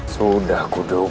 tepaskan nyi iroh